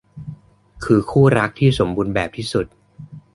คือคู่รักที่สมบูรณ์แบบที่สุด